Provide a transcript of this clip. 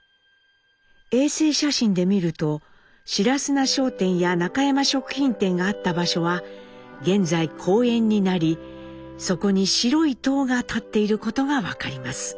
衛星写真で見ると白砂商店や中山食品店があった場所は現在公園になりそこに白い塔が立っていることが分かります。